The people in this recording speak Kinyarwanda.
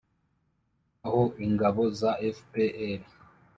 aho ingabo za fpr